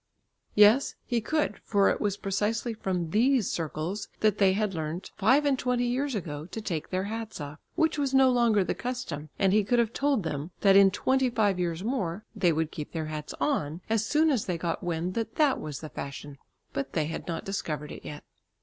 Yes, he could; for it was precisely from these circles that they had learnt five and twenty years ago to take their hats off, which was no longer the custom, and he could have told them that in twenty five years more they would keep their hats on as soon as they got wind that that was the fashion. But they had not discovered it yet.